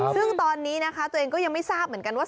ซึ่งตอนนี้นะคะตัวเองก็ยังไม่ทราบเหมือนกันว่า